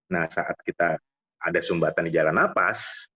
nah saat kita ada sumbatan di jalan nafas